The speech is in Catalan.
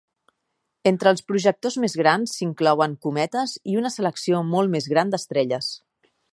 Entre els projectors més grans s'inclouen cometes i una selecció molt més gran d'estrelles.